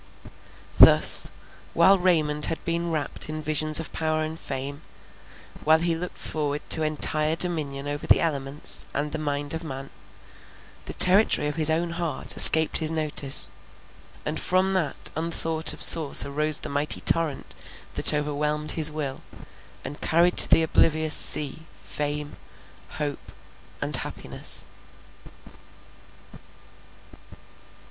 Thus, while Raymond had been wrapt in visions of power and fame, while he looked forward to entire dominion over the elements and the mind of man, the territory of his own heart escaped his notice; and from that unthought of source arose the mighty torrent that overwhelmed his will, and carried to the oblivious sea, fame, hope, and happiness.